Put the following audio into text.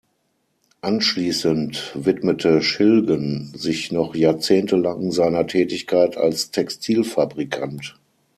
Anschließend widmete Schilgen sich noch jahrzehntelang seiner Tätigkeit als Textilfabrikant.